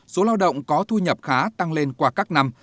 số lao động có thu nhập khá tăng lên qua các năm